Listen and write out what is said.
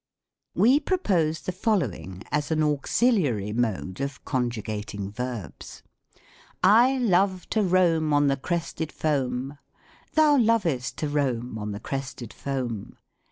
We propose the following as an auxiliary mode of conjugating verbs :—" I love to roam on the crested foam. Thou lovest to roam on the crested foam.